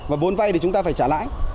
và vốn vay thì chúng ta phải trả lãi